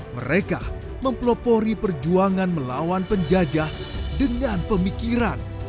mereka mempelopori perjuangan melawan penjajah dengan pemikiran